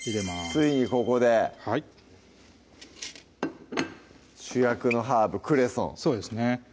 ついにここではい主役のハーブ・クレソンそうですね